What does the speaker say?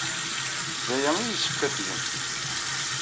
D aya ay yessefk ad t-tgem.